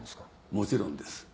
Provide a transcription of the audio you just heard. もちろんです。